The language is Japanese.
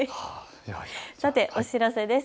さて、お知らせです。